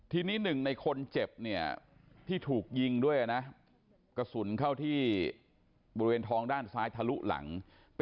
ตอนนี้กำลังจะโดดเนี่ยตอนนี้กำลังจะโดดเนี่ยตอนนี้กำลังจะโดดเนี่ย